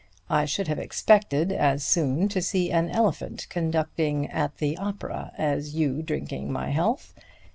I should have expected as soon to see an elephant conducting at the opera as you drinking my health.